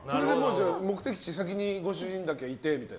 目的地に先にご主人だけいてみたいな？